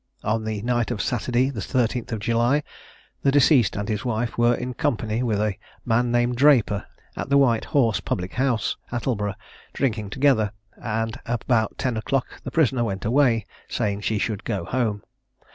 On the night of Saturday the 13th of July, the deceased and his wife were in company with a man named Draper at the White Horse public house, Attleburgh, drinking together, and about ten o'clock the prisoner went away, saying she should go home.